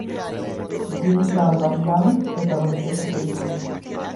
Jean-Claude Van Damme protagonizó esta película.